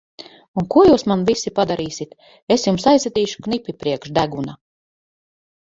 Un ko jūs man visi padarīsit! Es jums aizsitīšu knipi priekš deguna!